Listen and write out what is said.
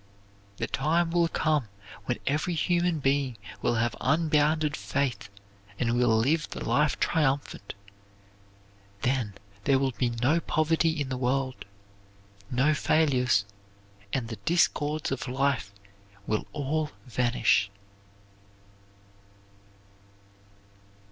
The time will come when every human being will have unbounded faith and will live the life triumphant. Then there will be no poverty in the world, no failures, and the discords of life will all vanish.